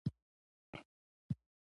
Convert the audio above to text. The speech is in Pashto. که د ماضي له تېروتنو زده کړه وکړه.